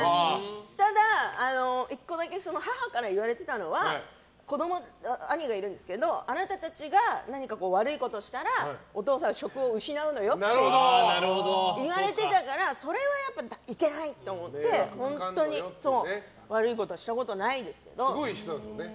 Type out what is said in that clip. ただ、１個だけ母から言われてたのは兄がいるんですけれどあなたたちが何か悪いことをしたらお父さんが職を失うのよって言われてたからそれはやっぱりいけないって思って、本当にすごい人ですもんね。